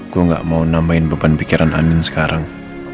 gue gak mau nambahin beban pikiran amin sekarang